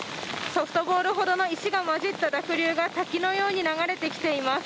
ソフトボールほどの石が混じった濁流が滝のように流れてきています。